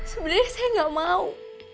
sebenernya saya gak mau